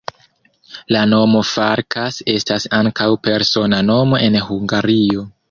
La nomo Farkas estas ankaŭ persona nomo en Hungario.